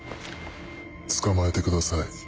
捕まえてください。